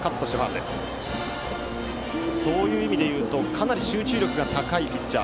そういう意味で言うとかなり集中力が高いピッチャー